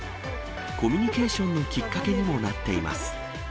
コミュニケーションのきっかけにもなっています。